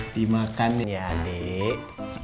dimakan ya dek